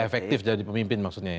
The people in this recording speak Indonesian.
efektif jadi pemimpin maksudnya ya